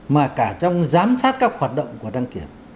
mà cả trong giám sát các hoạt động của đăng kiểm